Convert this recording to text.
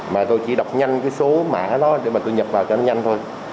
mà tôi chỉ đọc nhanh cái số mã đó để mà tôi nhập vào cho nó nhanh thôi